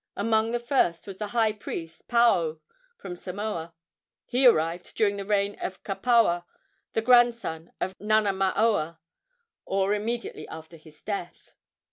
Among the first was the high priest Paao, from Samoa. He arrived during the reign of Kapawa, the grandson of Nanamaoa, or immediately after his death.